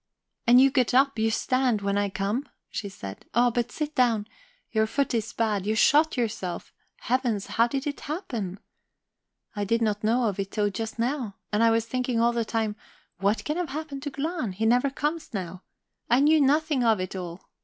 "And you get up, you stand, when I come?" she said. "Oh, but sit down. Your foot is bad, you shot yourself. Heavens, how did it happen? I did not know of it till just now. And I was thinking all the time: What can have happened to Glahn? He never comes now. I knew nothing of it all.